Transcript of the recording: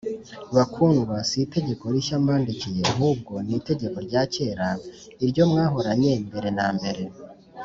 Bakundwa, si itegeko rishya mbandikiye ahubwo ni itegeko rya kera, iryo mwahoranye mbere na mbere